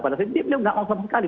padahal beliau tidak menganggap sekali